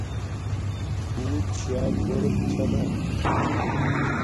بوت شا گھورک چھانا